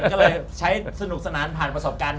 ก็เลยใช้สนุกสนานผ่านประสบการณ์